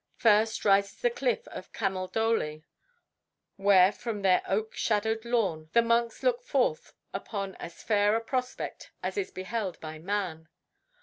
First rises the cliff of Camaldoli, where from their oak shadowed lawn the monks look forth upon as fair a prospect as is beheld by man.